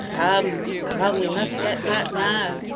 "Come, come we must get back now!"